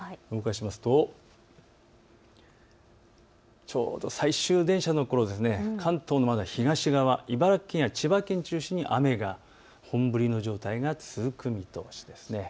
動かしますとちょうど最終電車のころ、関東の東側、茨城県や千葉県を中心に雨が本降りの状態が続く見通しです。